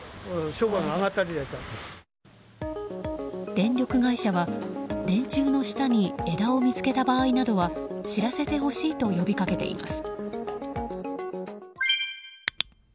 電力会社は電柱の下に枝を見つけた場合などは知らせてほしいと呼び掛けています。